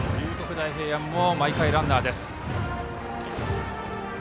大平安も毎回ランナーです。